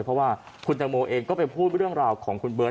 เพราะว่าคุณตังโมเองก็ไปพูดเรื่องราวของคุณเบิร์ต